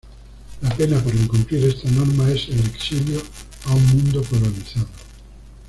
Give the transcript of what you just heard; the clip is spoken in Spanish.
La pena por incumplir esta norma es el exilio a un mundo colonizado.